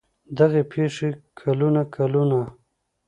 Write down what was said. دغې پېښې کلونه کلونه